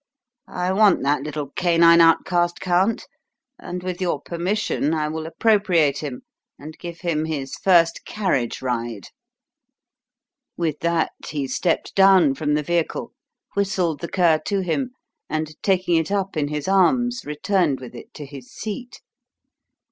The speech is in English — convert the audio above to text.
I want that little canine outcast, Count, and with your permission I will appropriate him, and give him his first carriage ride." With that, he stepped down from the vehicle, whistled the cur to him, and taking it up in his arms, returned with it to his seat.